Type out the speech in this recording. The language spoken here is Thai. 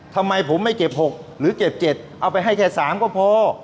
ทำไมผมไม่เก็บ๖หรือเก็บ๗เอาไปให้แค่๓ก็พอ